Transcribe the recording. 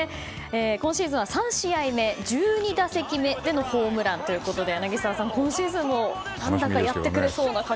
今シーズンは３試合目１２打席目でのホームランということで柳澤さん、今シーズンも何だかやってくれそうな感じ。